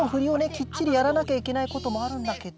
きっちりやらなきゃいけないこともあるんだけど